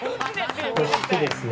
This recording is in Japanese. そしてですね